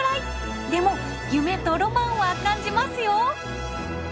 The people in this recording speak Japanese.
でも夢とロマンは感じますよ！